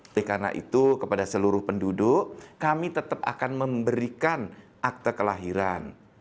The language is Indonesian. oleh karena itu kepada seluruh penduduk kami tetap akan memberikan akte kelahiran